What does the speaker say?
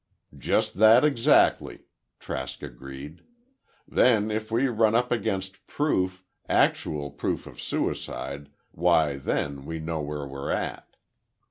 "Just that exactly," Trask agreed. "Then if we run up against proof—actual proof of suicide, why then, we know where we're at."